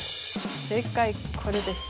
正解これです。